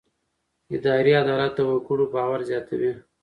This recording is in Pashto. اداري عدالت د وګړو باور زیاتوي.